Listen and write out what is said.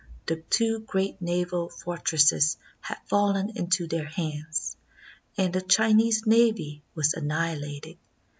The two great naval fort resses had fallen into their hands, and the Chinese navy was annihilated.